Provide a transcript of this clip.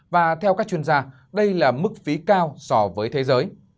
và theo các chuyên gia đây là mức phí cao so với thế giới